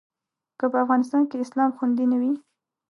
که په افغانستان کې اسلام خوندي نه وي.